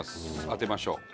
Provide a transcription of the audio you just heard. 当てましょう。